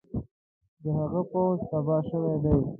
د هغه پوځ تباه شوی دی.